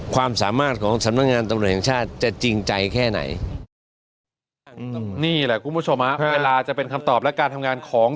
ความสามารถของสำนักงานตำรวจแห่งชาติจะจริงใจแค่ไหน